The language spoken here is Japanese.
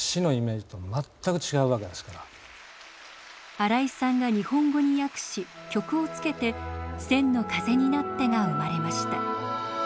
新井さんが日本語に訳し曲をつけて「千の風になって」が生まれました。